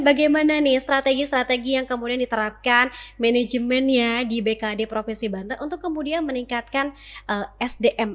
bagaimana nih strategi strategi yang kemudian diterapkan manajemennya di bkd provinsi banten untuk kemudian meningkatkan sdm